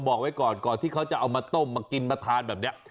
บอกไว้ก่อนก่อนที่เขาจะเอามาต้มมากินมาทานแบบนี้